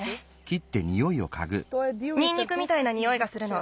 ニンニクみたいなにおいがするの。